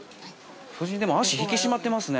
◆夫人、でも、足引き締まってますね。